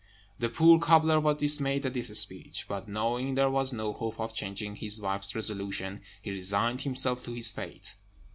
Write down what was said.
The poor cobbler was dismayed at this speech; but knowing there was no hope of changing his wife's resolution, he resigned himself to his fate.